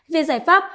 về giải pháp